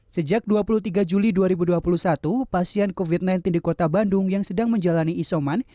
sejak dua puluh tiga juli dua ribu dua puluh satu pasien covid sembilan belas di kota bandung yang sedang menjalani isoman